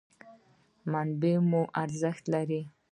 منابع مو ارزښت لري.